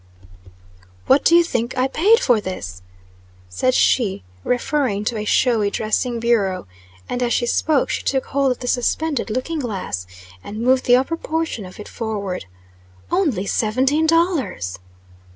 "What do you think I paid for this?" said she, referring to a showy dressing bureau; and, as she spoke, she took hold of the suspended looking glass, and moved the upper portion of it forward. "Only seventeen dollars!"